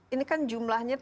ini kan jumlahnya